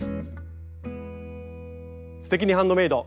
「すてきにハンドメイド」。